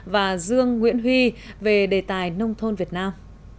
và dương nguyễn huy về đề tài nông thôn việt nam